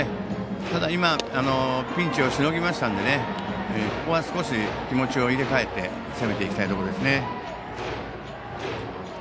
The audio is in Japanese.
ただ、今ピンチをしのぎましたのでここは少し気持ちを入れ替えて攻めていきたいところですね。